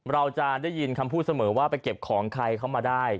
เราจะได้ยินคำพูดเสมอว่าไปเก็บของใครเข้ามาได้